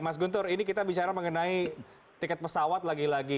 mas guntur ini kita bicara mengenai tiket pesawat lagi lagi